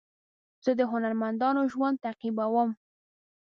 زه د هنرمندانو ژوند تعقیبوم.